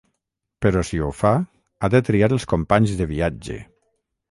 Però si ho fa ha de triar els companys de viatge.